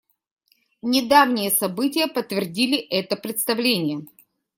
Недавние события подтвердили это представление.